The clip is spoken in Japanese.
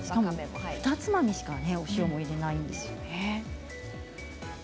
ふたつまみしかお塩も入れないんですよね。